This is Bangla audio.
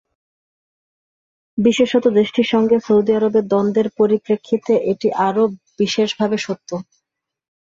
বিশেষত, দেশটির সঙ্গে সৌদি আরবের দ্বন্দ্বের পরিপ্রেক্ষিতে এটি আরও বিশেষভাবে সত্য।